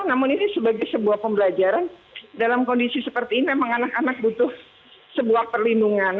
namun ini sebagai sebuah pembelajaran dalam kondisi seperti ini memang anak anak butuh sebuah perlindungan